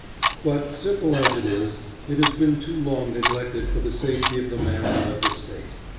But, simple as it is, it has been too long neglected for the safety of the man and of the State.